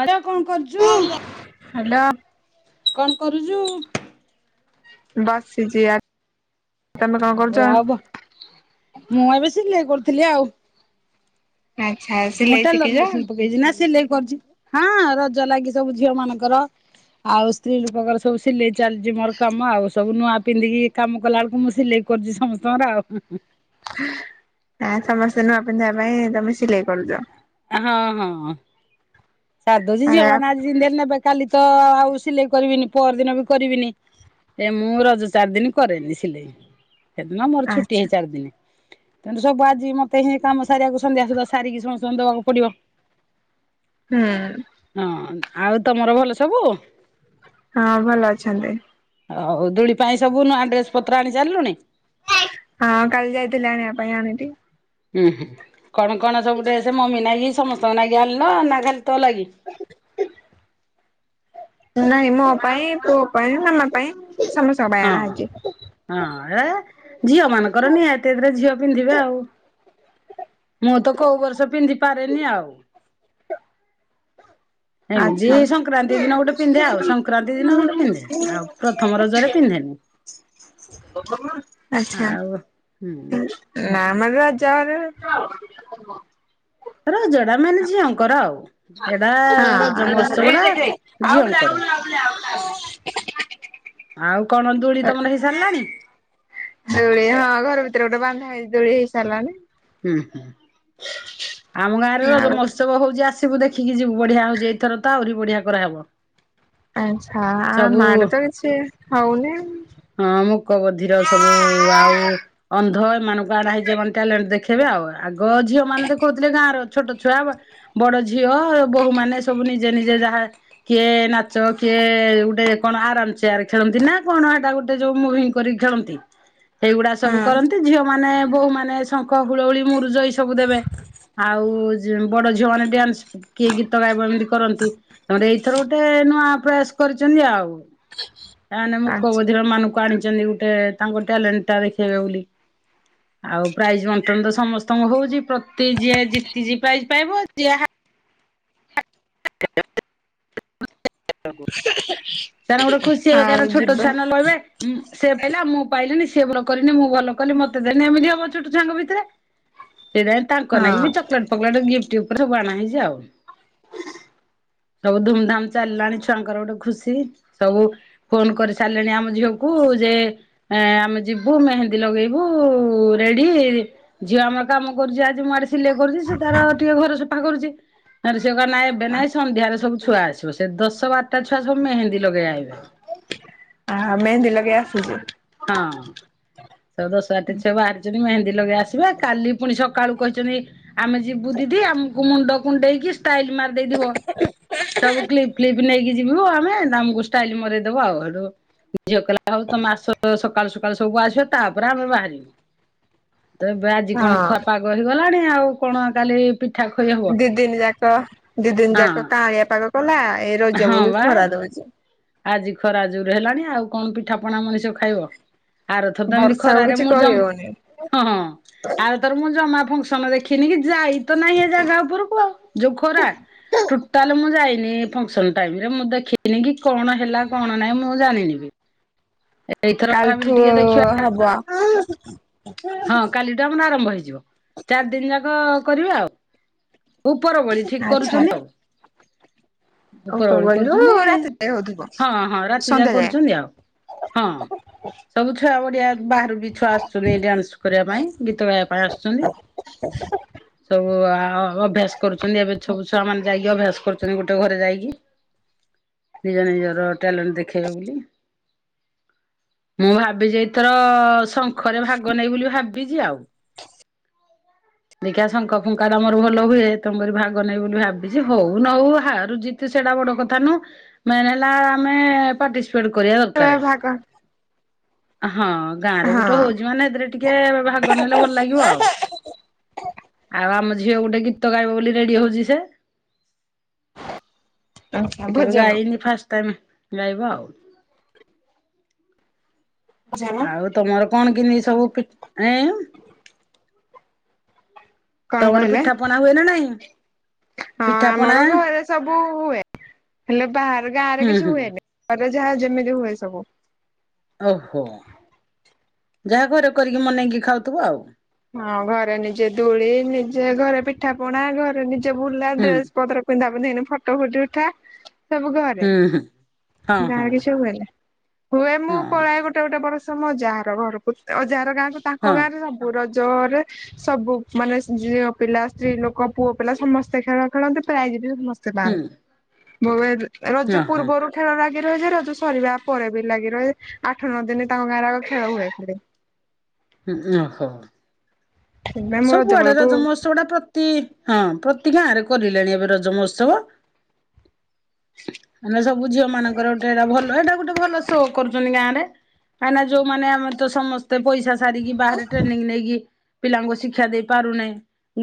ଆର କଣ୍ କରୁଚୁ? ହାଲୋ। କଣ୍ କରୁଚୁ? ବସିଚି ଆ ତମେ କଣ କରୁଛ? ହଉ ଆ ବ୍ ମୁଁ ଏବେ ସିଲେଇ କରୁଥିଲି ଆଉ। ଆଚ୍ଛା। ମୁଁ ସିଲେଇ ଟେଲର୍ ଶିଖିଛ? ମେସିନ୍ ପକେଇଚି ନା ସିଲେଇ କରୁଚି ହଁ ରଜ ଲାଗି ସବୁ ଝିଅ ମାନଙ୍କର ଆଉ ସ୍ତ୍ରୀ ଲୋକଙ୍କର ସବୁ ସିଲେଇ ଚାଲିଚି ମୋର କାମ ଆଉ ସବୁ ନୂଆ ପିନ୍ଧିକି କାମ କଲା ବୁଳୁକୁ ମୁଁ ସିଲେଇ କରଚି ସମସ୍ତଙ୍କର ଆଉ। ଆ ସମସ୍ତେ ନୂଆ ପିନ୍ଧିବା ପାଇଁ ତମେ ସିଲେଇ କରୁଚ। ହଁ- ହଁ -ହଁ ସାର୍ ଦଉଚି ଆ ଝିଅ ମାନେ ଆଜି ପିଲେ ନେବେ କାଲି ତ ଆଉ ସିଲେଇ କରିବିନି ପର୍ ଦିନ ବି କରିବିନି। ଏ ମୁଁ ରଜ ଚାର୍ ଦିନି କରେନି ସିଲେଇ। ସେଦିନ ମୋର ଛୁଟି ଆଚ୍ଛା। ହେଇ ଚାରି ଦିନି ତେଣୁ ସବୁ ଆଜି ମତେ ହିଁ କାମ ସାରିବାକୁ ସନ୍ଧ୍ୟା ସୁଧା ସାରିକି ସମ ଙ୍କୁ ଦବାକୁ ପଡିିବ। ହୁଁ। ହଁ ଆଉ ତମର ଭଲ ସବୁ? ହଁ ଭଲ ଅଛନ୍ତି। ହଉ ଦୁଳି ପାଇଁ ସବୁ ନୂଆ ଡ୍ରେସ୍ ପତ୍ର ଆଣି ସାରିଲୁଣି? ହଁ କାଲି ଯାଇଥିଲି ଆଣିବା ପାଇଁ ଆଣିଲି। ହୁଁ -ହୁଁ କଣ -କଣ ସବୁ ଡ୍ରେସେ ମମି ନାଗି ସମସ୍ତଙ୍କ ନାଗି ଆଣିଲ ନା ଖାଲି ତ ଲାଗି? ନାଇଁ ମୋ ପାଇଁ, ପୁଅ ପାଇଁ, ମାମା ପାଇଁ ସମସ୍ତଙ୍କ ପାଇଁ ହଁ। ଆଣାହେଇଚି। ହଁ ଏ ଝିଅ ମାନଙ୍କର ନିହାତି ଏଥେରେ ଝିଅ ପିନ୍ଧିବେ ଆଉ। ମୁଁ ତ କଉ ବର୍ଷ ପିନ୍ଧି ପାରେନି ଆଉ। ଏମିତି ଆଚ୍ଛା। ସଂକ୍ରାନ୍ତି ଦିନ ଗୋଟେ ପିନ୍ଧେ ଆଉ ସଂକ୍ରାନ୍ତି ଦିନ ଗୋଟେ ପିନ୍ଧେ ଆଉ ପ୍ରଥମ ରଜରେ ପିନ୍ଧେନି। ଆଚ୍ଛା। ଆଉ ହୁଁ। ନା ମ ରଜରେ। ରଜଟା ମାନେ ଝିଅଙ୍କର ଆଉ ଏରା ରଜ ମହୋତ୍ସବ ଟା ଆଉଡ ଆଉ ଆଉ ଆଉ [unintelligible] ଆଉ କଣ ଦୁଳି ତମର ହେଇସାରିଲାଣି? ଦୋଳି ହଁ ଘର ଭିତରେ ଗୋଟେ ବାନ୍ଧା ହେଇ ଦୋଳି ହେଇ ସାଇଲାଣି। ହୁଁ ହୁଁ ଆମ ଗାଁରେ ରଜ ଆଉ ମହୋତ୍ସବ ହଉଛି ଆସ ସିବୁ ଦେଖିକି ଯିବୁ ବଢିଆ ହଉଛି ଏଇଥର ଆହୁରି ବଢିଆ କରାହବ। ଆଛା ଆମ ସବୁ ଆଡେ ତ କିଛି ହଉନି। ହଁ ମୁକ ବଧିର ସବୁ ହଁ ଆଉ ଅନ୍ଧ ଏମାନଙ୍କୁ ଆଣା ହେଇଯି ଏ ମାନେ ଟ୍ୟାଲେଣ୍ଟ ଦେଖ ସେବେ ଆଉ ଆଗ ଝିଅ ମାନେ ତ କହୁଥିଲେ ଗାଁ ର ଛୋଟ ଛୁଆ ବଡ ଝିଅ ବୋହୂ ମାନେ ସବୁ ନିଜେ ନିଜେ ଯାହା। କିଏ ନାଚ କିଏ ଗୋଟେ କଣ ଆରାମ ଚେୟାର ଖେଳନ୍ତି ନା କଣ ଏଟା ଗୋଟେ ଯୋଉ ମୁଭି କରିକି ଖେଳନ୍ତି ସେଇଗୁଡା ସବୁ କରନ୍ତି ଝିଅ ମାନ ବୋହୁ ମାନେ ସ ହୁଳହୁଳି ମୁରୁଜ ଏଇ ସବୁ ଦେବେ ଆଉ ବଡ ଝିଅ ମାନେ ଡ୍ୟାନ୍ସ କିଏ ଗୀତ ଗାଇବ ଏମିତି କରନ୍ତି ତାପରେ ଏଇଥର ଗୋଟେ ନୂଆ ପ୍ରୟାସ କରିଛନ୍ତି ଆଉ। ତାହେନେ ମୁକ ଆଚ୍ଛା ବଧିର ମାନଙ୍କୁ ଆଣିି ଚନ୍ତି ଗୋଟେ ତାଙ୍କ ଟାଲେଣ୍ଟ ଟା ଦେଖେଇବେ ବୋଲି ଆଉ ପ୍ରାଇଜ ମ ସମସ୍ତଙ୍କ ହଉଛି ପ୍ରତି ଯିଏ ଜିତିଜି ପ୍ରାଇଜ ପାଇବ ଯିଏ ହା [inaudible] ସମାନେ ଗୋଟେ ଖୁସି ହେବେ କାହିଁକି ଆଉ ନା ଛୋଟ ଯିବା ଛୁଆ ନ ହେଲେ କହିବେ। ହୁଁ ସେ ପାଇଲା ମୁଁ ପାଇଲିିନି ସେ ଭଲ କରିନି ମୁଁ ଭଲ କଲି ମତେ ଦେନି ଏମିତି ହବ ଛୋଟ ଛୁଆଙ୍କ ଭିତରେ। ସେଇଥିପାଇଁ। ତାଙ୍କ ନାଗି ହଁ ବି ଚକୋଲେଟ ଫକଲେ ଗିଫ୍ଟ ଉପରେ ସବୁ ଆଣ ହେଇଛି ଆଉ ସବୁ ଧୁମ୍। ଧାମ ଚାଲିଲାଣି ଛୁଆଙ୍କର ଗୋଟେ ଖୁସି ସବୁ। ଫୋନ କରି ସାରିଲେଣି ଆମ ଝିଅକୁ ଯେ। ଏ ଆମେ ଯିବୁ ମେହେନ୍ଦୀ ଲଗେଇବୁ ରେଡି। ଝିଅ ଆମର କାମ କରୁଛି ଆଜି ମୁଁ ଆଡେ ସିଲେଇ କରୁଛି ସେ ତାର ଟିକେ ଘର ସଫା କରୁଛି। ଆରେ ସେ କହିଲା ଏବେ ନାଇଁ ସନ୍ଧ୍ୟାରେ ସବୁ ଛୁଆ ଆସିବ ସେ ଦଶ ବାରଟା ଛୁଆ ସବୁ ମେହେନ୍ଦୀ ଲଗେଇ ଆବେ। ଆ ମେହେନ୍ଦୀ ଲଗେଇ ଆସୁଛି। ହଁ। ଦଶ ବାରଟା ଛୁଆ ବାହାରିଛନ୍ତି ମେହେନ୍ଦୀ ଲଗେଇ ଆସିବେ କାଲି ପୁଣି ସକାଳୁ କହିଛନ୍ତି। ଆମେ ଯିବୁ ଦିଦି ଆମକୁ ମୁଣ୍ଡ କୁଣ୍ଡେଇକି ଷ୍ଟାଇଲ ମାରି ଦେଇଥିବ। ସବୁ କ୍ଲିପ ଫ୍ଲିପ୍ ନେଇକି ଯିବୁ ଆମେ ତମକୁ ଷ୍ଟାଇଲ ମରେଇଦବୁ ଆଉ ଆଡୁ। ଝିଅ କହିଲା ହଉ ତମେ ଆସ। ସକାଳୁ ସକାଳୁ ସବୁ ଆସିବ ତାପରେ ଆମେ ବାହାରିବୁ ତ ଏବେ ଆଜି କଣ ହଁ ଖପ ପାଗ କହିହିଗଲାଣି ଆଉ କଣ କାଲି ପିଠା ଖୁ ଦି ଦିନ ଯାକ ଦି ଦିନ ଯାକ କାଳିଆ ପାଗ କଲା ଏଇ ରଜ ହଁ ବା ବେଳକୁ ଖରା ଦଉଛି। ଆଜି ଖରାଜୋରେ ହେଲାଣି ଆଉ କଣ ପିଠାପଣା ମଣିଷ ଖାଇବ। ଆରଥର ଏମିତି ବର୍ଷାକୁ ଖରାରେ କିଛି ମୁଁ କହିହଉନି ଜମା ହଁ ହଁ ଆରଥୋର ମୁଁ ଜମା ଫଙ୍କସନ ଦେଖି ଯାଇ ତ ନାହିଁ ଏ ଜାଗା ଉପରକୁ ଆଉ ଯୋଉ ଖରା ଟୁଟା। ତାଲେ ମୁଁ ଯାଇନି ଫଙ୍କସନ ଟାଇମ ରେ ମୁଁ ଦେଖିନି କି କଣ ହେଲା କଣ ନାହିଁ ମୁଁ ଜାଣିନି ବି। ଏଇଥର ଭାବିଲି କାଲିଠୁ ଟିକେ ଦେଖିବା। [unintelligible] ହଁ କାଲି ଟୁ ଆମର ଆରମ୍ଭ ହେଇଯିବ ଚାରି ଦିନ ଯାକ କରିବେ ଆଉ। ଉପର ବୋଳି ଠିକ ଆଚ୍ଛା। କରୁଛନ୍ତି ଆଉ। ଉପର ବୋଳି ଉପରବେଳୁ କରୁଛନ୍ତି ରାତି ଯାଏ ହଉଥିବ ହଁ ହଁ ରାତି ସନ୍ଧ୍ୟା ଯାକ ଯାଏ କରୁଛନ୍ତି ଆଉ। ହଁ ସବୁ ଛୁଆ ବଢିଆ ବାହାରୁ ବି ଛୁଆ ଆସୁଛନ୍ତି ଡ୍ୟାନ୍ସ କରିବା ପାଇଁ ଗୀତ ଗାଇବା ପାଇଁ ଆସୁଛନ୍ତି। ସବୁ ଅଭ୍ୟାସ କରୁଛନ୍ତି ଏବେ ସବୁ ଛୁଆ ମାନେ। ଯାଇକି ଅଭ୍ୟାସ କରୁଛନ୍ତି ଗୋଟେ ଘରେ ଯାଇକି। ନିଜ ନିଜର ଟ୍ୟାଲେଣ୍ଟ ଦେଖେଇବେ ବୋଲି। ମୁଁ ଭାବିଛି ଏଇଥର ଶଙ୍ଖରେ ଭାଗ ନେଇ ବୋଲି ଭାବିଛି ଆଉ। ଦେଖିଆ ଶଙ୍ଖ ଫୁଙ୍କା ଟାମୋର ଭଲ ହୁଏ ତମରି ଭାଗ ନାହିଁ ବୋଲି ଭାବିଛି ହଉ ନ ହଉ ହାରୁ ଜିତୁ ସେଟା ବଡ କଥା ନୁହଁ। ମେନ୍ ହେଲା ଆମେ ପାଟିସି କରିବା ଏ ଦରକାର ଭାଗ ହଁ ଗାଁ ରେ ହଁ ଗୋଟେ ହଉଛି ମାନେ ଏଥିରେ ଟିକେ ଭାଗ ନେଲେ ଭଲ ଲାଗିବ ଆଉ ଆଉ ଆମ ଝିଅ ଗୋଟେ ଗୀତ ଗାଇବ ବୋଲି ରେଡି ହଉଛି ସେ। ଆଚ୍ଛା ସେ କେବେ ଭୋଜନ ଗାଇନି ଫାଷ୍ଟ ଟାଇମ ଗାଇବ ଆଉ। ଭୋଜନ ଆଉ ତମର କଣ କିିନି ସବୁ ପି ଏଁ କଣ ତମର କହିଲେ ପିଠା ପଣା ହୁଏ ନା ନାଇଁ ହଁ ପିଠା ପଣା ଆମର ଘରେ ସବୁ ହୁଏ ହେଲେ ବାହାର ଗାଁରେ ହୁଁ କିଛି ହୁଁ ହୁଏନି ଘରେ ଯାହା ଯେମିତି ହୁଏ ସବୁ। ଓହୋ ଯାହା ଘରେ କରିକି ମନେଇକି ଖାଉଥିବ ଆଉ। ହଁ ଘରେ ନିଜେ ଧୂଳି ନିଜେ ଘରେ ପିଠା, ପଣା ଘରେ ନିଜେ ବୁଲା ହୁଁ ଡ୍ରେସ ପତ୍ର ପିଦ୍ଧା ପିଦ୍ଧି କିନି ଫଟୋ ଫୁଟି ଉଠା। ସବୁ ଘରେ ହୁଁ ହୁଁ। ହଁ ଗାଁରେ ହଁ କିଛି ହୁଏନି ହୁଏ ମୁଁ ହଁ ପଳାଏ ଗୋଟେ ଗୋଟେ ଗୋଟେ ବର୍ଷ ମୁ ଯାଆର ଘରକୁ ଯାଆର ଗାଁକୁ ତାଙ୍କ ହଁ ଗାଁ ରେ ସବୁ ରଜରେ ସବୁ ମାନେ ଝିଅ ପିଲା, ସ୍ତ୍ରୀ ଲୋକ, ପୁଅ ପିଲା ସମସ୍ତେ ଖେଳ ଖେଳନ୍ତି ପ୍ରାୟ ବି ସମସ୍ତେ ହୁଁ ପାନ୍ତି ରଜ ଅ ହଁ ପୂର୍ବରୁ ଖେଳ ଲାଗି ରହେ ଯେ ରଜ ସରିବା ପରେ ବି ଲାଗି ରହେ ଆଠ, ନଅ ଦିନ ତାଙ୍କ ଗାଁରେ ଆଗ ଖେଳ ହୁଏ ଖେଳେ [unintelligible] ସେଥିପାଇଁ ମୁଁ ସବୁଆଡେ ବେଳକୁ ରଜ ମହୋତ୍ସବ ଟା ପ୍ରତି ହଁ ପ୍ରତି ଗାଁ ରେ କରିଲାଣି ଏବେ ରଜ ମହୋତ୍ସବ। ମାନେ ସବୁ ଝିଅ ମାନଙ୍କର ଗୋଟେ ଏଟା ଭଲ ଏଇଟା ଗୋଟେ ଭଲ ଶୋ କରୁଛନ୍ତି ଗାଁ ରେ। କାହିଁକିନା ଯୋଉମାନେ ଆମେ ତ ସମସ୍ତେ ପଇସା ସାରିକି ବାହାରେ ଟ୍ରେନିଂ ନେଇକି ପିଲାଙ୍କୁ ଶି ଶିକ୍ଷା ଦେଇ ପାରୁନି,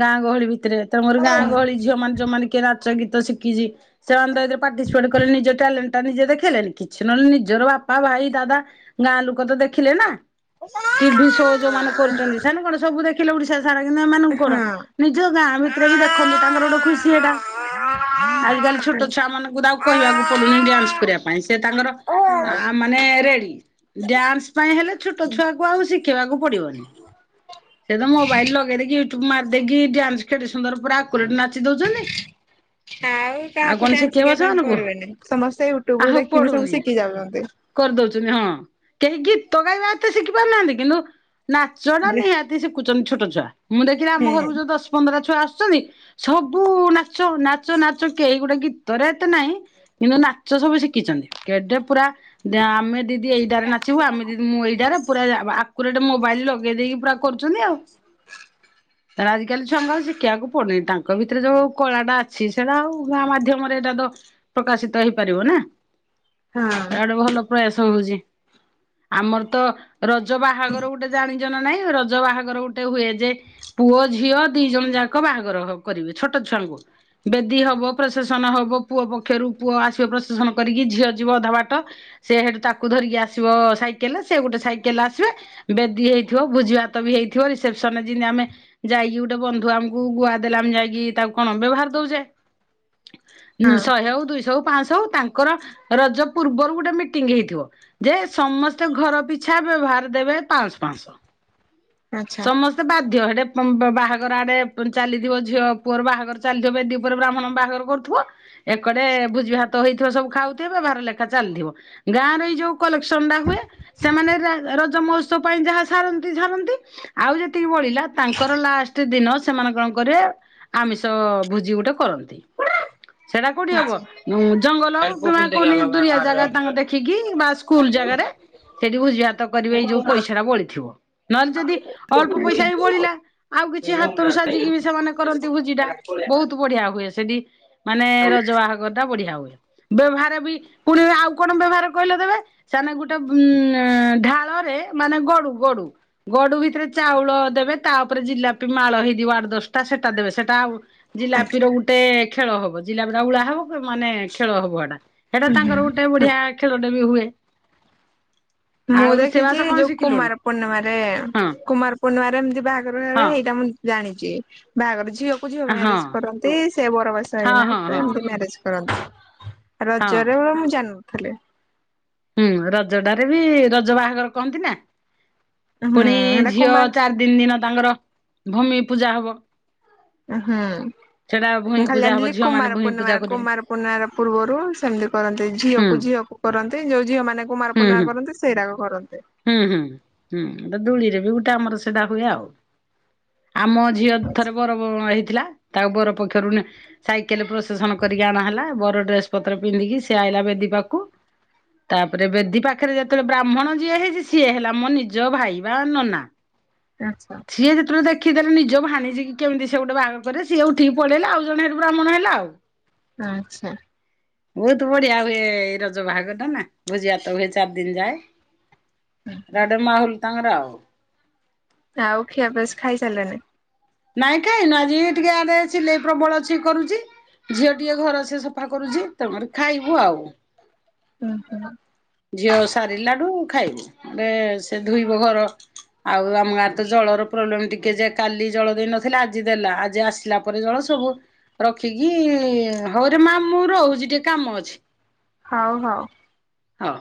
ଗାଁ ଗହଳି ଭିତରେ ତ ମୋର ଗାଁ ଗହଳି ଝିଅ ମାନ ଯୋଉ ମ କି ରା ସେ ଗୀତ ଶିଖିଛି। ସେ [unintelligible] ପାର୍ଟିସିପେଟ କଲେ ନିଜ ଟ୍ୟାଲେଣ୍ଟ ଟା ନିଜେ ଦେ ଖେଲେନି, କିଛି ନହଲେ ନିଜର ବାପା, ଭାଇ, ଦାଦା ଗାଁ ଲୋକ ତ ଦେଖିଲେ ନା, ହଁ। ଟିଭି ସୋ ଯୋଉମାନେ କରୁଛନ୍ତି ସେମାନେ କଣ [unintelligible] ସବୁ ଦେଖିଲେ। ଉ ସାରା [unintelligible] ଏମାନଙ୍କୁ କଣ ନିଜ ଗାଁ ଭିତରେ ବି ଦେଖନ୍ତୁ ତାଙ୍କର ଗୋଟେ ଖୁସି ଏଟା। ଆଜିକାଲି ଛୋଟ ଛୁଆ ମାନଙ୍କୁ ତ ଆଉ କହିବାକୁ ପଡୁନି ଡ୍ୟାନ୍ସ କରିବା ପାଇଁ। ସେ ତାଙ୍କର ଆଉ ଆ ମାନେ ରେଡି। ଡ୍ୟାନ୍ସ ପାଇଁ ହେଲେ ଛୋଟ ଛୁଆକୁ ଆଉ ଶିଖେଇବାକୁ ପଡିବନି। ସେ ତ ମୋ ମାରଦକି ଡ୍ୟାନ୍ସ କେତେ ସୁନ୍ଦର ପୁର ଆକୁରେଟ ନାଚି ଦୋଉଛନ୍ତି। [inaudible] ଆଉ କାହାକୁ ଡ୍ୟାନ୍ସ ଶିଖେଇବ ଶିଖିବା ପାଇଁ ସେମାନଙ୍କୁ ପଡିବେନି, ସମସ୍ତେ ୟୁଟ୍ୟୁବ ରୁ ଆଉ ଦେଖିନି ସବୁ ପଡୁନି। ଶିଖି ଯାଉଛନ୍ତି। କରିଦଉଛନ୍ତି ହଁ କେହି ଗୀତ ଗାଇବା ଏତେ ଶିଖି ପାରୁନାହାନ୍ତି। କିନ୍ତୁ, ନାଚଟା ହୁଁ ନିହାତି ଶିଖୁଛନ୍ତି ଛୋଟ ଛୁଆ, ମୁଁ ଦେଖିଲି ଆମ ଘରକୁ ଯୋଉ ଦଶ ପନ୍ଦର ଛୁଆ ଆସୁଛନ୍ତି ସବୁ ନା ନାଚ ନାଚ ନାଚ କେ ଗୁଟାକ କି [unintelligible] ଏତେ ନାହିଁ କିନ୍ତୁ ନାଚ ସବୁ ଶିଖିଛନ୍ତି, କେ ପୁରା ଆମେ ଦିଦି ଏଇଟାରେ ନାଚିବୁ, ଆମେ ଦିଦି ମୁଁ ଏଇଟାରେ, ପୁରା ଆଗରୁରେଟେ ମୋବାଇଲ ଲଗେଇ ଦେଇକି ପୁରା କରୁଛନ୍ତି। [inaudible] ତାର ଆଜିକାଲି ଛୁଆଙ୍କୁ ଆଉ ଶିଖିବାକୁ ପଡୁନି, ତାଙ୍କ ଭିତରେ ଯୋଉ କଳାଟା ଅଛି ସେଇଟା ଆଉ ଗାଁ ମାଧ୍ୟମରେ ଏଇଟା ତ ପ୍ରକାଶିତ ହେଇପାରିବ ନା। ହଁ। ଭଲ ପ୍ରୟାସ ହୋଉଚି, ଆମର ତ ରଜ ବାହାଘର ଗୋଟେ ଜାଣି ନାଇଁ ରଜ ବାହାଘର ଗୋଟେ ଗୋଟେ ହୁଏ ଯେ ପୁଅ ଝିଅ ଦି ଜଣ ଯାକ ବାହାଘର କରିବେ ଛୋଟ ଛୁଆଙ୍କୁ। ବେଦୀ ହବ ପ୍ରଶାସନ ହବ ପୁଅ ପକ୍ଷରୁ ପୁଅ ଆସିବ ପ୍ରଶାସନ କରିକି, ଝିଅ ଯିବ ଅଧା ବାଟ। ସେ ହେଠୁ ତାକୁ ଧରିକି ଆସିବ ସାଇକେଲରେ, ସେ ଗୋଟେ ସାଇକେଲ ଆସିବେ। ବେଦୀ ହେଇଥିବ, ଭୋଜି ଭାତ ବି ହେଇଥିବ ରିସେପସନ ଜେମିତି ଆମେ ଯାଇକି ଗୋଟେ ବନ୍ଧୁ ଆମକୁ ଗୁଆ ଦେଲା ଆ ଯାଇକି ତାକୁ କଣ ବ୍ୟବହାର ଦୋଉଚେ। ହଁ ଶହେ ହୋଉ, ଦୁଇଶ ହୋଉ, ପାଞ୍ଚଶହ ହ ତାଙ୍କ ରଜ ପୂର୍ବରୁ ଗୋଟେ ମିଟିଂ ହେଇଥିବ। ଯେ ସମସ୍ତେ ଘର ପିଛା ବ୍ୟବହାର ଦେବେ ପାଆଁସ ପାଆଁସ। ଆଚ୍ଛା ସମ ତେ ବାଧ୍ୟ ହେଟେ ବାହାଘର ଆଡେ ଚାଲିଥିବ ଝିଅ ପୁଅର ବାହାଘର ଚାଲିଥିବ ବେଦୀ ଉପରେ ବ୍ରାହ୍ମଣ ବାହାଘର କରୁଥିବ ଏକଡେ ଭୋଜି ଭାତ ହେଇଥିବ ସବୁ ଖାଉଥିବେ, ଭାର ଲେଖା ଚାଲିଥିବ। ଗାଁରେ ଏଇ ଯୋଉ କଲେକ୍ସନ ଟା ହୁଏ ସେମାନେ ରା ରଜ ମହୋତ୍ସବ ପାଇଁ ଯାହା ସାରନ୍ତି ସାରନ୍ତି। ଆଉ ଯେତିକି ବଳିଲା ତାଙ୍କର ଲାଷ୍ଟ ଦିନ ସେମାନେ କଣ କରନ୍ତିନା ଆମିଷ ଭୋଜି ଗୋଟେ କରନ୍ତି। ସେଇଟା କୋଉଟି ଉଁ ହବ ଆଚ୍ଛା ଜଙ୍ଗଲ କିମ୍ବା କୌନି ଦୁରିଆ ଜାଗା ତାଙ୍କ ଦେଖିକି ବାସ କୁଲ ଜାଗାରେ ସେଠି ଭୋଜି ଭାତ କରିବେ ଏଇ ଯୋଉ ପଇସା ଟା ବଳିଥିବ, ନହେଲେ ଯ ଅଳ୍ପ ପଇସା ବି ଆଚ୍ଛା ବଳିଲା ଆଉ କିଛି ହାତରୁ ସାଜିକି ବି ସେମାନେ କରନ୍ତି ଭୋଜିଟା, ବୋହୁତୁ ବ ବଢିଆ ହୁଏ ସେଠି ମାନେ ରଜ ବାହାଘର ଟା ବଢିଆ ହୁଏ। ବ୍ୟବହାର ବି ପୁଣି ଆଉ କଣ ବ୍ୟବହାର କହି ଦେବେ ସେଆନେ ଗୋଟେ ଉଁ ଢାଳରେ ମାନେ ଗଡୁ ଗଡୁ ଗଡୁ ଭି ଥିରେ ଚାଉଳ ଦେବେ ତାପରେ ଜିଲାପି ମାଳ ହେଇଯିବ ଆଡ ଦଶଟା ସେଟା ଦେବେ, ସେଟା ଆଉ ଜିଲାପିର ଗୋଟେ ଖେଳ ହବ ଜିଲାପି ଟା ଉଳା ହବ। ମାନେ ଖେଳ ହବ ଏଟା ଏଟା ତାଙ୍କର ଗୋଟେ ଆଚ୍ଛା। ବଢିଆ ଖେଳଟେ ବି ହୁଏ। ମୁଁ ଆଉ ଦେଖିଚି ରୋଷେଇବାସ କଣ ଯୋଉ ଶିଖିଲୁଣି? କୁମାର ପୂର୍ଣ୍ଣିମାରେ ହଁ କୁମାର ପୂର୍ଣ୍ଣିମାରେ ଏମିତି ବାହାଘର ହଁ ବେଳେ ହେଇଟା ମୁଁ ଜାଣିଚି, ବାହାଘର ଝିଅ କୁ ଝିଅ ହଁ ମ୍ୟାରେଜ କରନ୍ତି ସେ ବରବେସ ହଁ ହେଇକିନା ହଁ ସେ ହଁ ଏମତି ମ୍ୟାରେଜ କରନ୍ତି। ହଁ। ରଜରେ ହୁଏ ମୁଁ ଜାଣିନଥିଲି। ହୁଁ ରଜଟାରେ ବି ରଜ ବାହାଘର କହନ୍ତି ନା ହୁଁ ପୁଣି ହେଟା ଝିଅ କୁମାର ଚାର ଦିନି ତାଙ୍କର ଭୂମି ପୂଜା ହବ। ହୁଁ। ସେଟା ମୁଁ ଭୂଇଁ ଖାଲି ପୂଜା ହବ ଜାଣିଥିଲି ଝିଅ ମାନେ କୁମାର ଭୂଇଁ ପୂଜା ପୂର୍ଣିମାରେ କରିବେ କୁମାର ପୂର୍ଣ୍ଣିମାର ପୂର୍ବରୁ ସେମିତି କରନ୍ତି ହୁଁ ଝିଅକୁ ଝିଅକୁ କରନ୍ତି ଯୋଉ ଝିଅ ମାନେ କୁମାର ହୁଁ ପୂର୍ଣ୍ଣିମା ହୁଁ। କରନ୍ତି ସେଇରାକ କରନ୍ତି। ହୁଁ ହୁଁ ହୁଁ ଦୂଳିରେ ବି ଗୋଟେ ଆମର ସେଟା ହୁଏ ଆଉ ଆମ ଝୀ ଝିଅ ଥରେ ବର ବ ହେଇଥିଲା ତାକୁ ବର ପକ୍ଷରୁ ନେ ସାଇକେଲ ପ୍ରଶେସଣ କରିକି ଅଣା ହେଲା ବର ଡ୍ରେସ ପତ୍ର ପିନ୍ଧିକି ସିଏ ଆଇଲା ବେଦୀପାକୁ। ତାପରେ ବେଦି ପାଖରେ ଯେତେବେଳେ ବ୍ରାହ୍ମଣ ଯିଏ ହେଇଛି ସିଏ ହେଲା ମୋ ନିଜ ଭାଇ ବା ନନା। ଆଚ୍ଛା। ସିଏ ଯେତେବେଳେ ଦେଖି ଦେଲେ ନିଜ ଭାଣିିିଜି କି କେମିତି ସେ ଗୋଟେ ବା ଘର କରେଇବ ସିଏ ଉଠିକି ପଳେଇଲା ଆଉ ଜଣେ ସେଠୁ ବ୍ରାହ୍ମଣ ଆଇଲା। ଆଚ୍ଛା। ବହୁତ ବଢିଆ ହୁଏ ଏ ରଜ ବାହାଘର। ନା ଭୋଜିଭାତ ହୁଏ ଚାରି ଦିନ ଯାଏ ଏଟା ଗୋଟେ ମାହୁଲ ତାଙ୍କର ଆଉ ଆଉ ଖିଆ ପିଆ ଖାଇସାରିଲେଣି? ନାଇଁ କାଇଁନୁ ଆଜି ଟିକେ ଇଆଡେ ସିଲେଇ ପ୍ରବଳ ଅଛି କରୁଚି। ଝିଅ ଟିକେ ଘର ସେ ସଫା କରୁଚି ତାପରେ ଖାଇବୁ ଆଉ ଝିଅ ସାରିଲାରୁ ଖାଇବୁ। ଏବେ ସେ ଧୋଇବ ଘର ଆଉ ଆମ ଗାଁରେ ତ ଜଳର ପ୍ରୋବ୍ଲେମ ଟିକେ ଯେ କାଲି ଜଳ ଦେଇ ନଥିଲା ଆଜି ଦେଲା ଆଜି ଆସିଲା ପରେ ଜଳ ସବୁ ରଖିକି ହଉରେ ମା ମୁଁ ରହୁଚି ଟିକେ କାମ ଅଛି। ହଉ ହଉ। ହଉ।